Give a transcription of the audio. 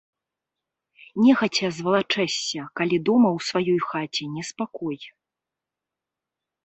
Нехаця звалачэшся, калі дома ў сваёй хаце неспакой.